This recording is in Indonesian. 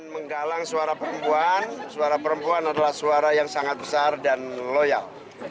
menggalang suara perempuan suara perempuan adalah suara yang sangat besar dan loyal